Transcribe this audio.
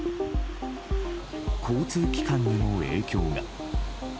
交通機関にも影響が。